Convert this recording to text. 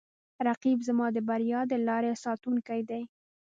رقیب زما د بریا د لارې ساتونکی دی